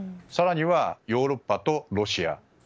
更にはヨーロッパとロシア。